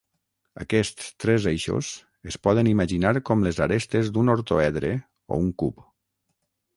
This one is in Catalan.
Aquests tres eixos es poden imaginar com les arestes d'un ortoedre o un cub.